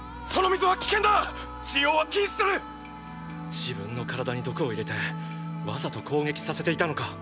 自分の体に毒を入れてわざと攻撃させていたのか。